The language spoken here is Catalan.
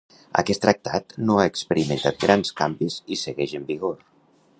Aquest tractat no ha experimentat grans canvis i segueix en vigor.